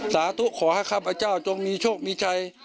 สาธุขอให้ข้าพเจ้าจงมีโชคมีชัย